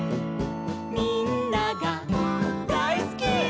「みんながだいすき！」